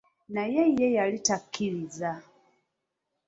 Naye ye yali takikiriza.